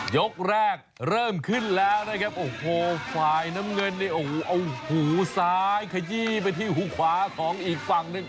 ยกแรกเริ่มขึ้นแล้วนะครับโอ้โหฝ่ายน้ำเงินเนี่ยโอ้โหเอาหูซ้ายขยี้ไปที่หูขวาของอีกฝั่งหนึ่ง